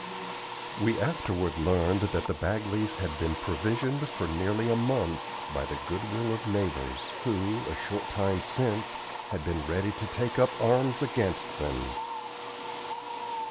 We afterward learned that the Bagleys had been provisioned for nearly a month by the good will of neighbors, who, a short time since, had been ready to take up arms against them.